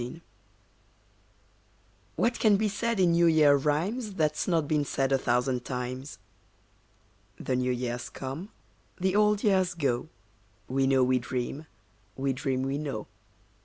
THE YEAR What can be said in New Year rhymes, That's not been said a thousand times? The new years come, the old years go, We know we dream, we dream we know.